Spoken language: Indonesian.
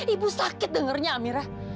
ibu sakit dengernya amirah